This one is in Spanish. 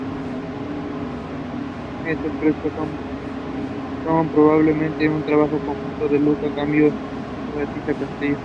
Estos frescos son probablemente un trabajo conjunto de Luca Cambiaso y Giovanni Battista Castello.